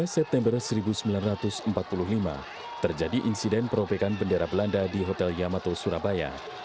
dua puluh september seribu sembilan ratus empat puluh lima terjadi insiden peropekan bendera belanda di hotel yamato surabaya